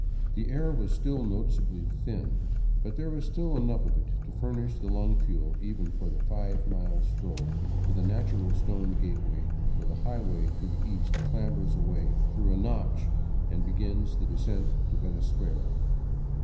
The air was still noticeably thin, but there was enough of it to furnish the lung fuel even for the five mile stroll up to the natural stone gate way where the highway to the east clambers away through a notch 25 VAGABONDING DOWN THE ANDES and begins the descent to Venezuela.